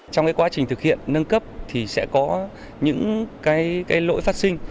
trong quá trình thực hiện nâng cấp thì sẽ có những cái lỗi phát sinh